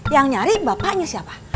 yang nyari bapaknya siapa